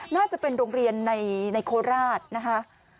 น่าจะเป็นโรงเรียนในโคราชนะคะ